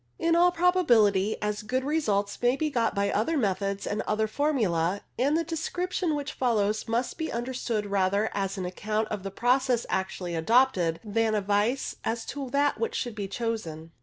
In all probability as good results may be got by other methods and other formulae, and the description which follows must be understood rather as an account of the process actually adopted, than advice as to that which should be chosen.